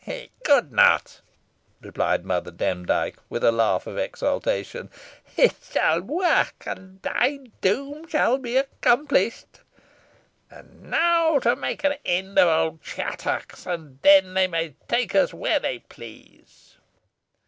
"He could not," replied Mother Demdike, with a laugh of exultation; "it shall work, and thy doom shall be accomplished. And now to make an end of old Chattox, and then they may take me where they please."